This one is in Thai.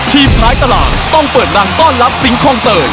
ทีมพลายตารางต้องเปิดรังต้อนรับสิงคลองเติร์น